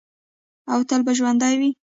او تل به ژوندی وي.